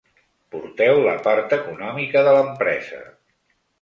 Porteu la part econòmica de l’empresa.